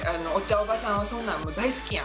おばちゃんはそんなん大好きやん。